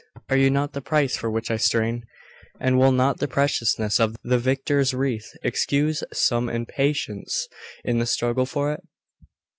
Are you not the price for which I strain? And will not the preciousness of the victor's wreath excuse some impatience in the struggle for it?